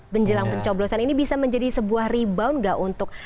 menjelang pencoblosan ini bisa menjadi sebuah rebound nggak untuk